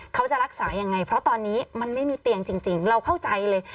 เขาจะรักษายังไงเพราะตอนนี้มันไม่มีเตียงจริงเราเข้าใจเลย